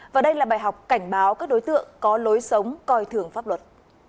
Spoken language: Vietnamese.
và đây là bài học cảnh báo các đối tượng có lối sống coi thường pháp luật